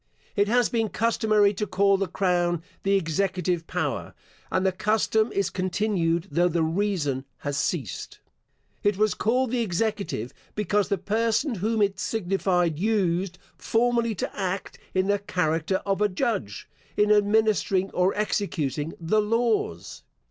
It has been customary to call the crown the executive power, and the custom is continued, though the reason has ceased. It was called the executive, because the person whom it signified used, formerly, to act in the character of a judge, in administering or executing the laws.